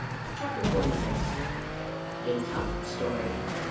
CHAPTER FORTY SIX. A TOUGH STORY.